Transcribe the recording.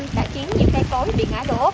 đã khiến những cây cối bị ngã đổ